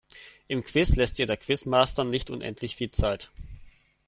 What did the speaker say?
Im Quiz lässt dir der Quizmaster nicht unendlich viel Zeit.